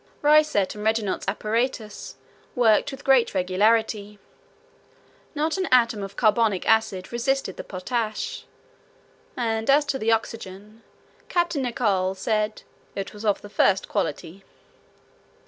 Reiset and Regnaut's apparatus worked with great regularity. Not an atom of carbonic acid resisted the potash; and as to the oxygen, Captain Nicholl said "it was of the first quality."